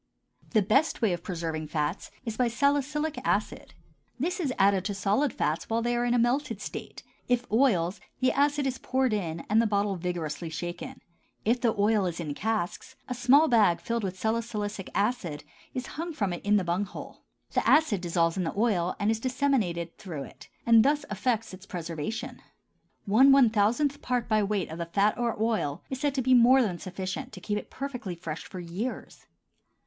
The best way of preserving fats is by salicylic acid. This is added to solid fats while they are in a melted state; if oils, the acid is poured in and the bottle vigorously shaken. If the oil is in casks, a small bag filled with salicylic acid is hung into it from the bung hole. The acid dissolves in the oil and is disseminated through it and thus effects its preservation. One one thousandth part by weight of the fat or oil is said to be more than sufficient to keep it perfectly fresh for years.